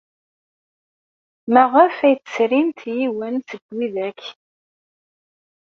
Maɣef ay tesrimt yiwen seg widak?